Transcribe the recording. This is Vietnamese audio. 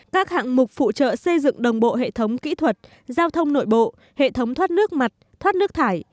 các hạng mục phụ trợ xây dựng đồng bộ hệ thống kỹ thuật giao thông nội bộ hệ thống thoát nước mặt thoát nước thải